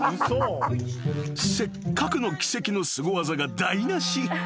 ［せっかくの奇跡のすご技が台無し］